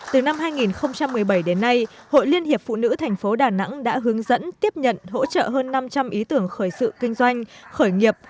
từ năm hai nghìn một mươi bảy đến nay hội liên hiệp phụ nữ tp đà nẵng đã hướng dẫn tiếp nhận hỗ trợ hơn năm trăm linh ý tưởng khởi sự kinh doanh khởi nghiệp